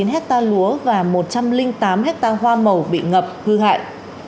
một trăm một mươi chín hectare lúa và một trăm linh tám hectare hoa màu bị ngập hư hại